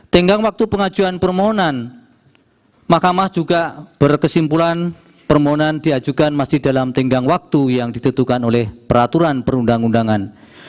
tenggang waktu pengajuan permohonan mahkamah juga berkesimpulan permohonan diajukan masih dalam tenggang waktu yang ditentukan oleh peraturan perundang undangan